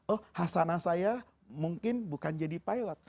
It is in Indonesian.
oh hasanah saya mungkin bukan jadi pilot